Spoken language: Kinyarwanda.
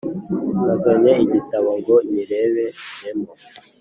Nazanye igitabo ngo nyireberemo